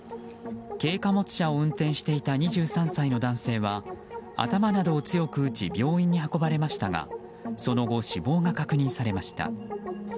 軽貨物車を運転していた２３歳の男性は頭などを強く打ち病院に運ばれましたがその後、死亡が確認されました。